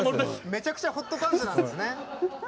めちゃくちゃホットパンツなんですね。